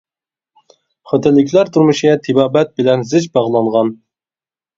خوتەنلىكلەر تۇرمۇشى تېبابەت بىلەن زىچ باغلانغان.